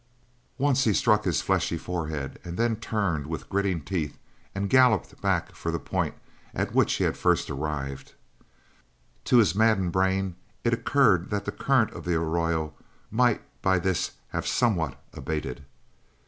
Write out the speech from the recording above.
Once he struck his fleshy forehead, and then turned with gritting teeth and galloped back for the point at which he had first arrived. To his maddened brain it occurred that the current of the arroyo might by this have somewhat abated.